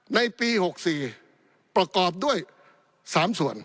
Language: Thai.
ในปี๖๔ประกอบด้วย๓ส่วน